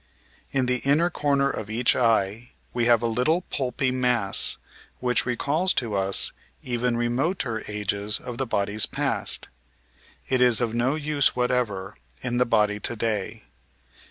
In the inner comer of each eye we have a little pulpy mass which recalls to us even remoter ages of the body's past. It is of no use whatever in the body to day.